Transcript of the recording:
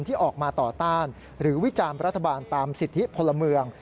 ที่ออกมาต่อต้านหรือวิจารณ์รัฐบาลตามสิทธิพลเมือง